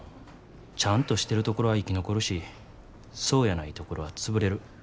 ちゃんとしてるところは生き残るしそうやないところは潰れる。